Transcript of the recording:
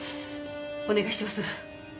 お願いします！